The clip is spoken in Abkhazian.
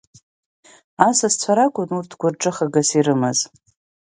Асасцәа ракәын урҭ гәырҿыхагас ирымаз.